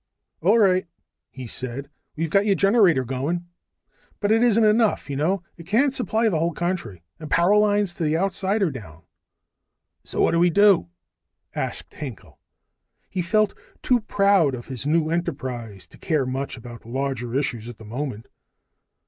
"All right," he said. "We've got your generator going. But it isn't enough, you know. It can't supply the whole country; and power lines to the outside are down." "So what do we do?" asked Hinkel. He felt too proud of his new enterprise to care much about larger issues at the moment.